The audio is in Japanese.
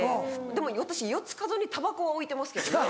でも私四つ角にたばこは置いてますけどね。